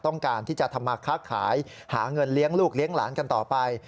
ต้องการที่จะทำมาค้าขายหาเงินเลี้ยงลูกเลี้ยงหลานกันต่อไป